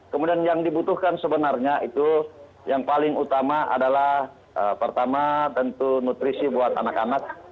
kemudian yang dibutuhkan sebenarnya itu yang paling utama adalah pertama tentu nutrisi buat anak anak